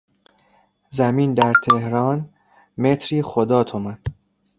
زمین در تهران متری خدا تومن